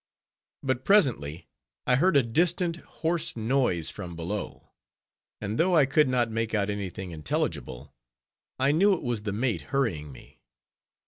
But presently I heard a distant, hoarse noise from below; and though I could not make out any thing intelligible, I knew it was the mate hurrying me.